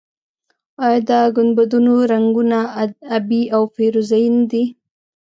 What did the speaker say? آیا د ګنبدونو رنګونه ابي او فیروزه یي نه دي؟